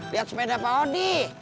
liat sepeda pak odi